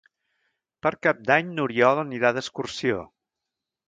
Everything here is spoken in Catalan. Per Cap d'Any n'Oriol anirà d'excursió.